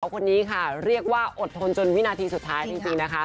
คนนี้ค่ะเรียกว่าอดทนจนวินาทีสุดท้ายจริงนะคะ